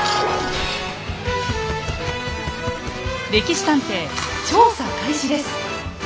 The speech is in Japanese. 「歴史探偵」調査開始です。